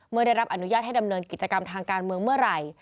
ไม่ได้รับอนุญาตให้ดำเนินกิจกรรมทางการเมืองเมื่อไหร่